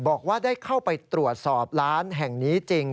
บอกว่าได้เข้าไปตรวจสอบร้านแห่งนี้จริง